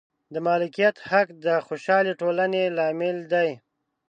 د مالکیت حق د خوشحالې ټولنې لامل دی.